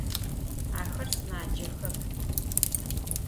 Axer sımacexep.